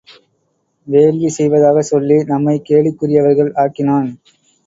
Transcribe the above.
வேள்வி செய்வதாகச் சொல்லி நம்மைக் கேலிக்குரியவர்கள் ஆக்கினான்.